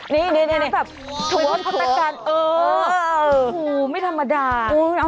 นี่แบบถวดไม่ธรรมดา